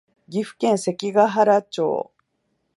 岐阜県関ケ原町